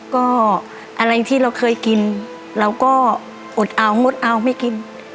ก็อะไรที่เราเคยกินเราก็อดเอางดเอาไม่กิน